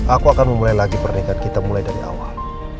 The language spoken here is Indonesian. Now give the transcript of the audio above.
aku akan memulai lagi pernikahan kita mulai dari awal